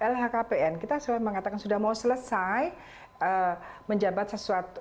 lhkpn kita sudah mengatakan sudah mau selesai menjabat sesuatu